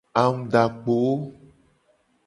Angudakpo.